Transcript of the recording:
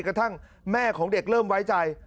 กระทั่งแม่ของเด็กเริ่มไว้ใจ